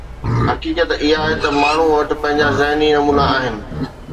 حقيقت اها آهي ته ماڻهن وٽ پنهنجا ذهني نمونا آهن.